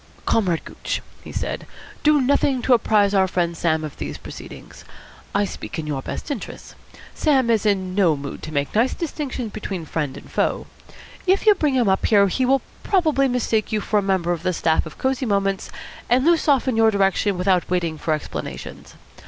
"Comrade Gooch," he said, "do nothing to apprise our friend Sam of these proceedings. I speak in your best interests. Sam is in no mood to make nice distinctions between friend and foe. If you bring him up here, he will probably mistake you for a member of the staff of Cosy Moments, and loose off in your direction without waiting for explanations.